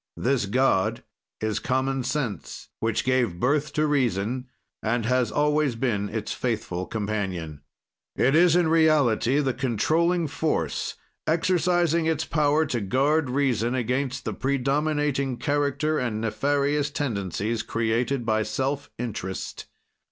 "This god is Common Sense, which gave birth to Reason, and has always been its faithful companion. "It is, in reality, the controlling force exercising its power to guard reason against the predominating character and nefarious tendencies created by self interest.